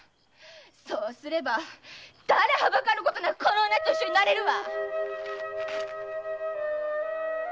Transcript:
そうすれば誰はばかることなくこの女と一緒になれるわ！